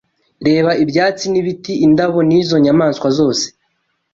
Reba ibyatsi n’ibiti, indabo n’izo nyamaswa zose